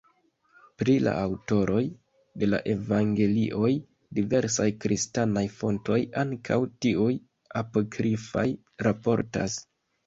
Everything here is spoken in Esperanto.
Pri la aŭtoroj de la evangelioj diversaj kristanaj fontoj, ankaŭ tiuj apokrifaj raportas.